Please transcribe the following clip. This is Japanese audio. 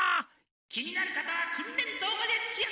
気になる方は訓練棟までツキあって。